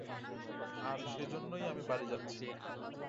আর সেজন্যই আমি বাড়ি যাচ্ছি।